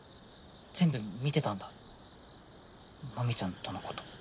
全部見てたんだ麻美ちゃんとのこと